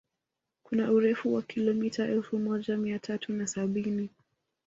Kuna urefu wa kilomita elfu moja mia tatu na sabini